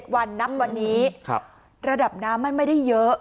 วันนับวันนี้ระดับน้ำมันไม่ได้เยอะ